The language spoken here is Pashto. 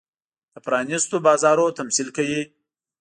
د پرانېستو بازارونو تمثیل کوي.